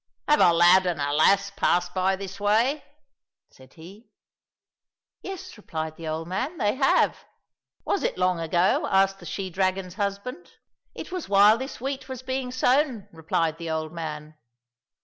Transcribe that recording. " Have a lad and a lass passed by this way ?" said he. " Yes," repUed the old man, " they have." —" Was it long ago ?" asked the she dragon's husband. —" It was while this wheat was being sown," replied the old man.